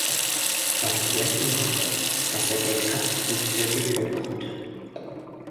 Es war das letzte Mal, dass er Weltcup-Punkte gewinnen konnte.